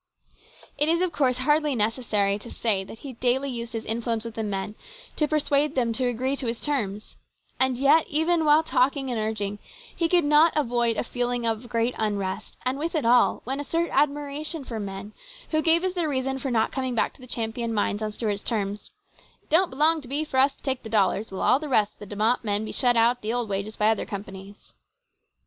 It is, of course, hardly necessary to say that he daily used his influence with the men to persuade them to agree to his terms, and yet even while talking and urging he could not avoid a feeling of great unrest, and with it all went a certain admiration for the men who gave as their reason for not coming back to the Champion mines on Stuart's terms, " It don't belong to be for us to take the dollars, while all the rest of De Mott men be shut out at the old wages by other com panies."